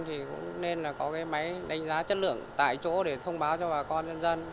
thì cũng nên có máy đánh giá chất lượng tại chỗ để thông báo cho bà con dân dân